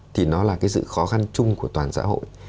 thì nó là cái sự khó khăn chung của toàn xã hội